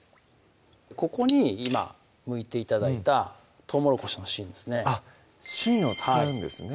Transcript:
ここに今むいて頂いたとうもろこしの芯ですねあっ芯を使うんですね